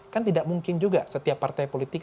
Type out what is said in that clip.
kan tidak mungkin juga setiap partai politik